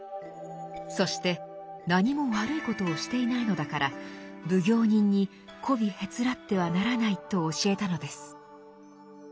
そして何も悪いことをしていないのだから奉行人にこびへつらってはならないと教えたのです。